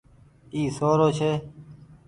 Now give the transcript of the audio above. اي سو رو ڇي۔